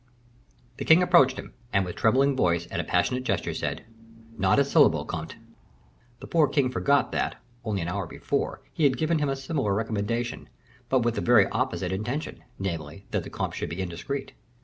The king approached him, and, with a trembling voice and a passionate gesture, said, "Not a syllable, comte." The poor king forgot that, only an hour before, he had given him a similar recommendation, but with the very opposite intention; namely, that the comte should be indiscreet.